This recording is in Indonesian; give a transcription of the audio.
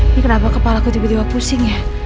ini kenapa kepala aku tiba tiba pusing ya